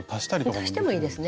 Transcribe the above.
足してもいいですね。